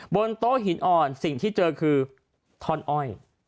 บนโต๊ะหินอ่อนสิ่งที่เจอคือท่อนอ้อย